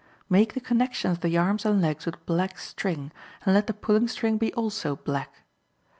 Make the connections of the arms and legs with black string, and let the pulling string be also black.